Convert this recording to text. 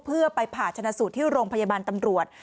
เพื่อไปผ่าชนะสูตรที่โรงพยาบาลตำรวจ